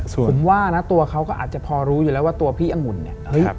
ผมว่านะตัวเขาก็อาจจะพอรู้อยู่แล้วว่าตัวพี่อังุ่นเนี่ย